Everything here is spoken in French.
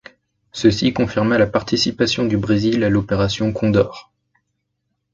Ceci confirma la participation du Brésil à l'opération Condor.